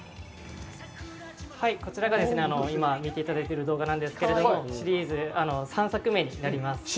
こちらが、今、見ていただいている動画なんですけれども、シリーズ３作目になります。